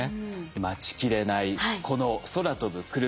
待ちきれないこの空飛ぶクルマ。